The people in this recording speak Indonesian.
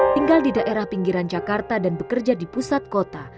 tinggal di daerah pinggiran jakarta dan bekerja di pusat kota